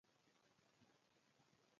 یو بل سفر یې اعلان کړ.